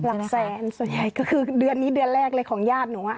หลักแสนส่วนใหญ่ก็คือเดือนนี้เดือนแรกเลยของญาติหนูอ่ะ